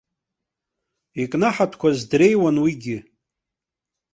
Икнаҳатәқәаз дреиуан уигьы.